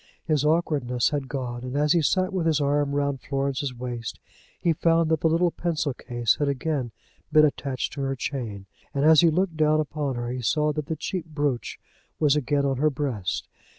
His awkwardness had gone, and as he sat with his arm round Florence's waist, he found that the little pencil case had again been attached to her chain, and as he looked down upon her he saw that the cheap brooch was again on her breast.